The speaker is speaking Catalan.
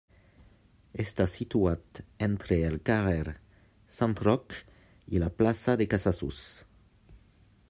Està situat entre el carrer Sant Roc i la plaça de Casassús.